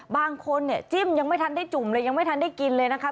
บางคนเนี่ยจิ้มยังไม่ทันได้จุ่มเลยยังไม่ทันได้กินเลยนะคะ